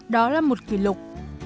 đó là một kỷ lục